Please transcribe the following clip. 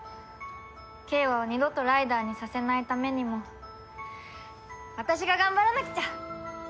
景和を二度とライダーにさせないためにも私が頑張らなくちゃ！